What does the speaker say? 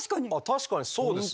確かにそうですね！